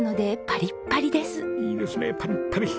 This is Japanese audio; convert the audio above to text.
いいですねパリッパリ！